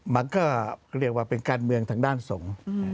มันก็เรียกว่าเป็นการเมืองทางด้านสงฆ์